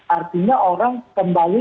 artinya orang kembali